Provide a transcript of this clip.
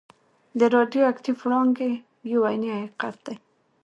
د راډیو اکټیف وړانګې یو عیني حقیقت دی.